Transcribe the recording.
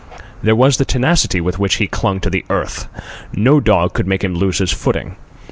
There was the tenacity with which he clung to the earth. No dog could make him lose his footing.